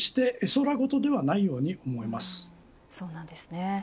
そうなんですね。